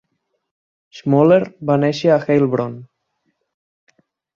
Schmoller va néixer a Heilbronn.